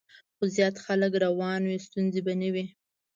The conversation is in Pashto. خو زیات خلک روان وي، ستونزه به نه وي.